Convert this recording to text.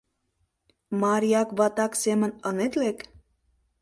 — Марияк-ватак семын ынет лек?